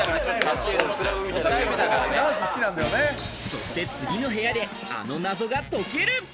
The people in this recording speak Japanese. そして次の部屋で、あの謎が解ける。